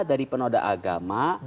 dari penoda agama